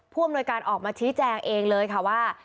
ผู้อำนวยการออกมาชี้แจงเองเลยค่ะว่า